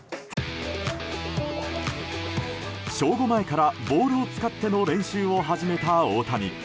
正午前からボールを使っての練習を始めた大谷。